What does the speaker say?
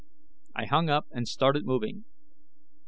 I hung up and started moving.